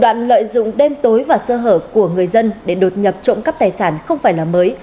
thủ đoạn lợi dụng đêm tối và sơ hở của người dân để đột nhập trộm cắp tài sản không phải là mới